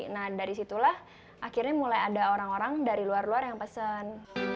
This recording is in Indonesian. nah dari situlah akhirnya mulai ada orang orang dari luar luar yang pesen